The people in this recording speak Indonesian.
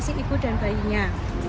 terima kasih ibu dan bayinya